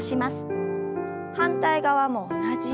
反対側も同じように。